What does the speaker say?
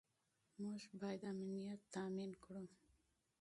موږ باید امنیت تامین کړو.